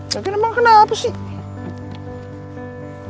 tapi emang kenapa sih